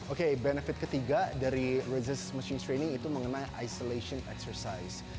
oke benefit ketiga dari resistance machines training itu mengenai isolation exercise